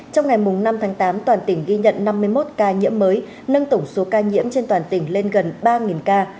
trong ngày năm tháng tám toàn tỉnh ghi nhận năm mươi một ca nhiễm mới nâng tổng số ca nhiễm trên toàn tỉnh lên gần ba ca